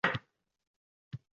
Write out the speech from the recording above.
Tunlari charog’on shunday shaharda